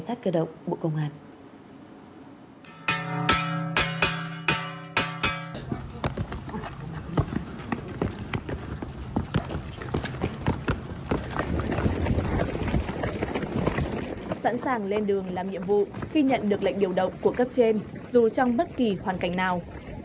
sẵn sàng lên đường làm nhiệm vụ khi nhận được lệnh điều động của cấp trên dù trong bất kỳ hoàn cảnh nào